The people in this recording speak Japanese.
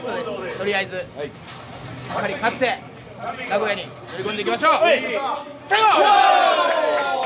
とりあえず、しっかり勝って名古屋に乗り込んでいきましょう！